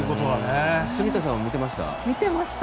住田さんは見てました？